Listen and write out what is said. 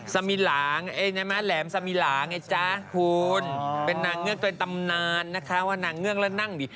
สมีหลางแหลมสมีหลางไงจ๊ะคุณเป็นนางเงือกตัวตำนานนะคะว่านางเงือกแล้วนั่งดิ